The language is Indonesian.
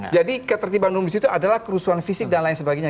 jadi ketertiban umum disitu adalah kerusuhan fisik dan lain sebagainya